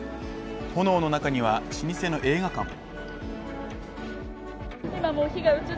炎の中には老舗の映画館も。